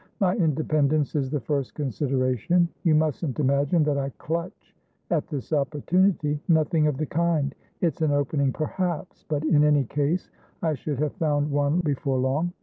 My independence is the first consideration. You mustn't imagine that I clutch at this opportunity. Nothing of the kind. It's an opening, perhaps; but in any case I should have found one before long.